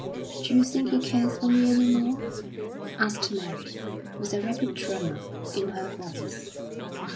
"D'you think he cares for me any more?" asked Mary, with a rapid tremor in her voice.